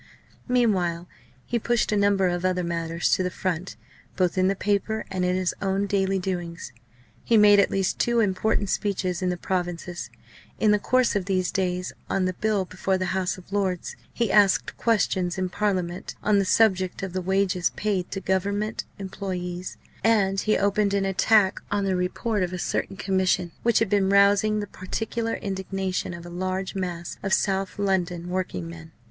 Meanwhile he pushed a number of other matters to the front, both in the paper and in his own daily doings. He made at least two important speeches in the provinces, in the course of these days, on the Bill before the House of Lords; he asked questions in Parliament on the subject of the wages paid to Government employés; and he opened an attack on the report of a certain Conservative Commission which had been rousing the particular indignation of a large mass of South London working men.